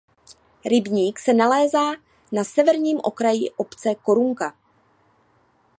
Rybník se nalézá na severním okraji obce Korunka.